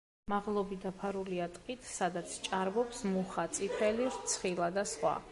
მაღლობი დაფარულია ტყით, სადაც ჭარბობს მუხა, წიფელი, რცხილა და სხვა.